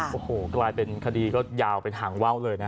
โอ้โหกลายเป็นคดีก็ยาวเป็นหางว่าวเลยนะ